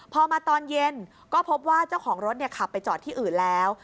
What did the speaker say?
พอมาตอนเย็นก็พบว่าเจ้าของรถขับไปจอดที่อื่นแล้ว